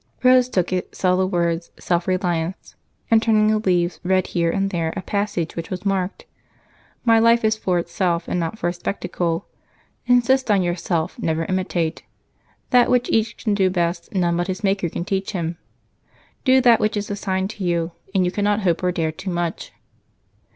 Rose took it, saw the words "Self Reliance," and turning the leaves, read here and there a passage which was marked: "'My life is for itself, and not for a spectacle.' "'Insist on yourself: never imitate. That which each can do best, none but his Maker can teach him.' "'Do that which is assigned to you, and you cannot hope or dare too much.'"